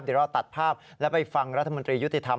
เดี๋ยวเราตัดภาพแล้วไปฟังรัฐมนตรียุติธรรม